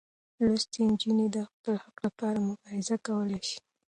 لوستې نجونې د خپل حق لپاره مبارزه کولی شي.